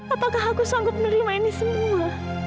apakah aku sanggup menerima ini semua